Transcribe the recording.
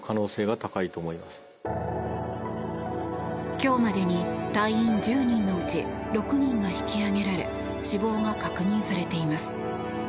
今日までに隊員１０人のうち６人が引き揚げられ死亡が確認されています。